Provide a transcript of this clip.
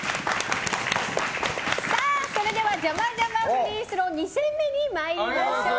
それではじゃまじゃまフリースロー２戦目に参りましょう。